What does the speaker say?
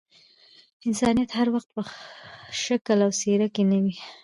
انسانيت هر وخت په شکل او څهره کي نه وي.